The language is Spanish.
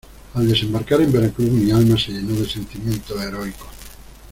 al desembarcar en Veracruz, mi alma se llenó de sentimientos heroicos.